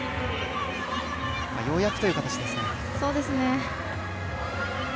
ようやくという形ですね。